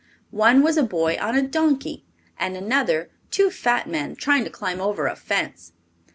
One was a boy on a donkey, and another two fat men trying to climb over a fence.